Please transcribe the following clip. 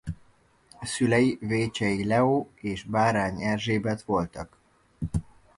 Szülei Vécsei Leó és Bárány Erzsébet voltak.